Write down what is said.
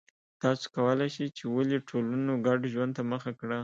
تاسو کولای شئ چې ولې ټولنو ګډ ژوند ته مخه کړه